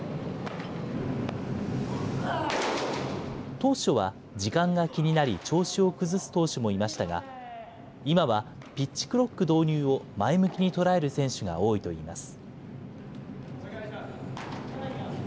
当初は時間が気になり調子を崩す投手もいましたが、今はピッチクロック導入を前向きに捉える選手が多いといいます。